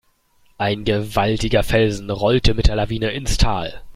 Ein gewaltiger Felsen rollte mit der Lawine ins Tal.